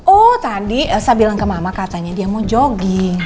oh tadi saya bilang ke mama katanya dia mau jogging